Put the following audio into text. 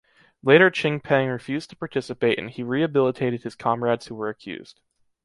Later Ching Peng refused to participate and he rehabilitated his comrades who were accused.